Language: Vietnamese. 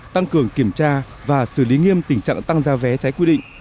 tăng cường kiểm tra và xử lý nghiêm tình trạng tăng ra vé trái quy định